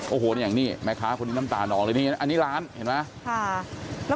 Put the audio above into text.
โอ้โหอย่างนี้แม่ค้าคนนี้น้ำตานองเลยนี่อันนี้ร้านเห็นไหม